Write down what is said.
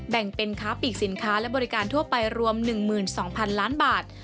แบ่งเป็นค้าปีกสินค้าและบริการทั่วไปรวม๑๒๐๐๐ล้านบาท